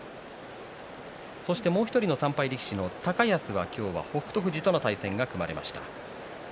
そして、もう１人の３敗力士の高安は今日は北勝富士との対戦が組まれました。